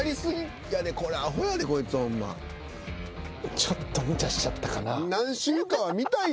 ちょっと無茶しちゃったかな。